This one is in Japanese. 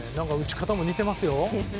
打ち方も似ていますよ。